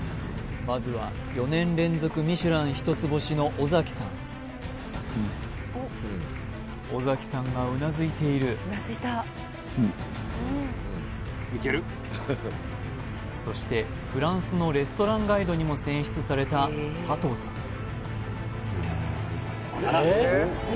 まずは４年連続ミシュラン一つ星の尾崎さん尾崎さんがうなずいているそしてフランスのレストランガイドにも選出された佐藤さん